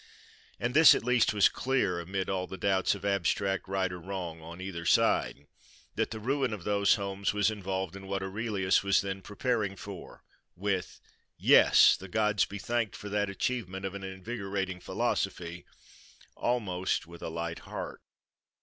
And this at least was clear, amid all doubts of abstract right or wrong on either side, that the ruin of those homes was involved in what Aurelius was then preparing for, with,—Yes! the gods be thanked for that achievement of an invigorating philosophy!—almost with a light heart.